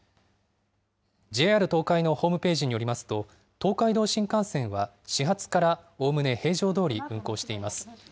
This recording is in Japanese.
ＪＲ東海のホームページによりますと、東海道新幹線は始発からおおむね平常どおり運行しています。